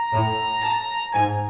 kamu keluar dulu